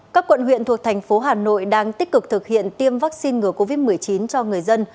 các quận huyện thuộc thành phố hà nội đang tích cực thực hiện tiêm vaccine ngừa covid một mươi chín cho người dân